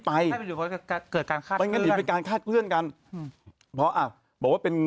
ไปเกิดการฆ่าเกิดการฆ่าเพื่อนกันเพราะอ่าบอกว่าเป็น